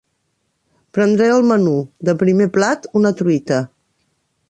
Prendré el menú: de primer plat, una truita.